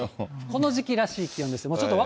この時期らしい気温です。